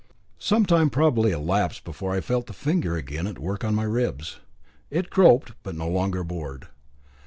Some time probably elapsed before I felt the finger again at work at my ribs; it groped, but no longer bored.